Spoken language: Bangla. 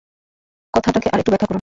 কথাটাকে আর-একটু ব্যাখ্যা করুন।